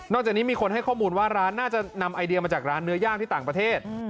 จากนี้มีคนให้ข้อมูลว่าร้านน่าจะนำไอเดียมาจากร้านเนื้อย่างที่ต่างประเทศ